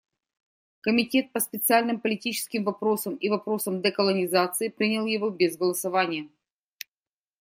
Комитет по специальным политическим вопросам и вопросам деколонизации принял его без голосования.